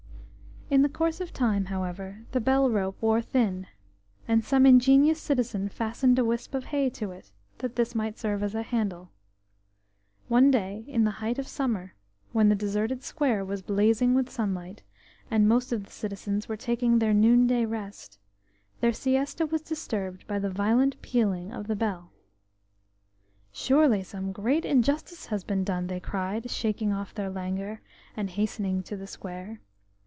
In the course of time, however, the bell rope wore thin, and some ingenious citizen fastened a wisp of hay to it, that this might serve as a handle. One day in the height of summer, when the deserted square was blazing with sunlight, and most of the citizens were taking their noonday rest, their siesta was disturbed by the violent pealing of the bell. "Surely some great injustice has been done," they cried, shaking off their languor and hastening to the square.